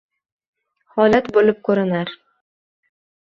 Holat bo’lib ko’rinar.